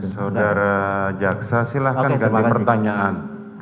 saudara jaksa silahkan ganti pertanyaan